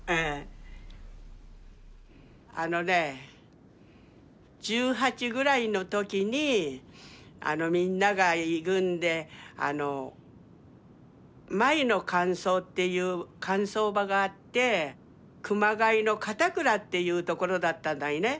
あのね１８ぐらいの時にみんなが行くんで繭の乾燥っていう乾燥場があって熊谷の片倉っていうところだったたいね。